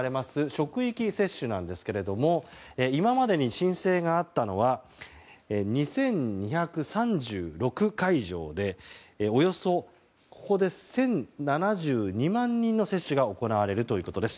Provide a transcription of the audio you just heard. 職域接種なんですけれども今までに申請があったのは２２３６会場でここで、およそ１０７２万人の接種が行われるということです。